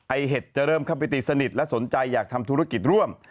เห็ดจะเริ่มเข้าไปตีสนิทและสนใจอยากทำธุรกิจร่วม